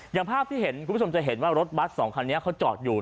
อย่างภาพที่เห็นคุณผู้ชมจะเห็นว่ารถบัสสองคันนี้เขาจอดอยู่